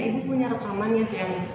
ibu punya rekaman yang